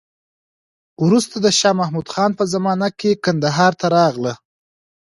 وروسته د شا محمود خان په زمانه کې کندهار ته راغله.